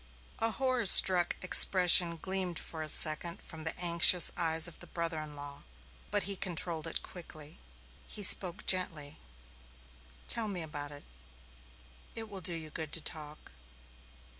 A horror struck expression gleamed for a second from the anxious eyes of the brother in law, but he controlled it quickly. He spoke gently. "Tell me about it it will do you good to talk."